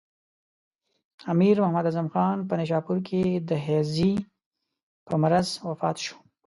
امیر محمد اعظم خان په نیشاپور کې د هیضې په مرض وفات شو.